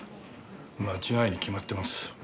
間違いに決まってます。